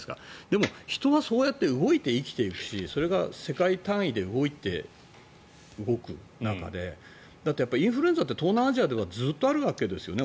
でも、人はそうやって動いて生きていくしそれが世界単位で動く中でだって、インフルエンザって東南アジアではずっとあるわけですよね。